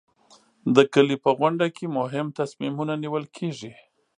د کلي په غونډه کې مهم تصمیمونه نیول کېږي.